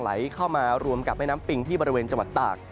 ไหลเข้ามารวมกับแม่น้ำปิงที่บริเวณจังหวัดตาก